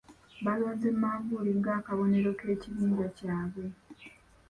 Baalonze manvuuli ng'akabonero k'ekibiinja kyabwe.